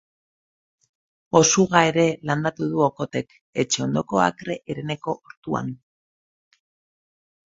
Osuga ere landatu du Okothek etxe ondoko akre hereneko ortuan.